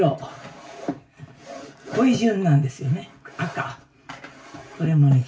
「濃い順なんですよね赤」